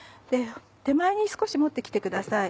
手前に少し持って来てください。